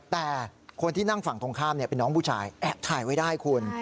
แต่คนที่นั่งฝั่งตรงข้ามเป็นน้องผู้ชายแอบถ่ายไว้ได้คุณ